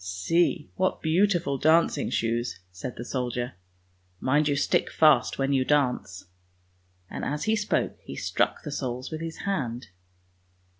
" See, what beautiful dancing shoes! " said the soldier. " Mind you stick fast when you dance," and as he spoke he struck the soles with his hand.